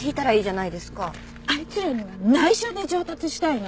あいつらには内緒で上達したいの。